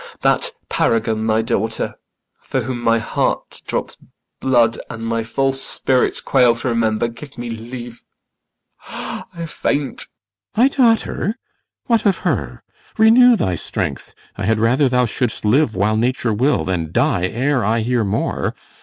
IACHIMO. That paragon, thy daughter, For whom my heart drops blood and my false spirits Quail to remember Give me leave, I faint. CYMBELINE. My daughter? What of her? Renew thy strength; I had rather thou shouldst live while nature will Than die ere I hear more.